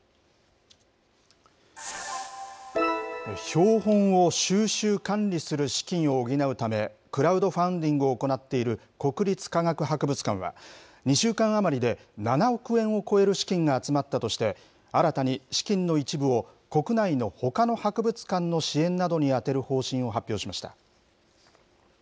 標本を収集・管理する資金を補うため、クラウドファンディングを行っている国立科学博物館は、２週間余りで７億円を超える資金が集まったとして、新たに資金の一部を国内のほかの博物館の支援などに充てる方針を発表しました。